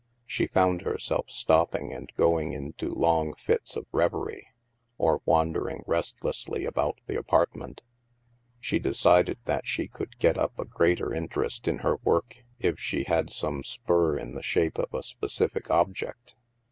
She found herself stopping and going into long fits of reverie, or wandering restlessly about the apart ment. She decided that she could get up a greater in terest in her work if she had some spur in the shape of a specific object.